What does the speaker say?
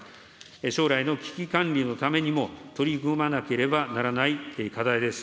将来の危機管理のためにも、取り組まなければならない課題です。